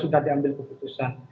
sudah diambil keputusan